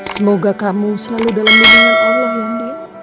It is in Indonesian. semoga kamu selalu dalam kebenaran allah